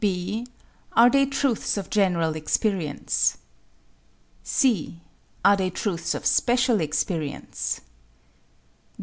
(b) Are they truths of general experience? (c) Are they truths of special experience?